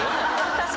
確かに。